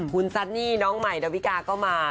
คุณซันนี่น้องใหม่ดาวิกาก็มา